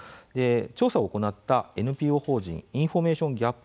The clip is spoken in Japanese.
調査を行ったＮＰＯ法人インフォメーションギャップ